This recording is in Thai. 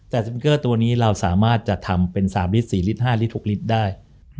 แต่สปิงเกอร์ตัวนี้เราสามารถจะทำเป็น๓ลิตร๔ลิตร๕ลิตรทุกลิตรได้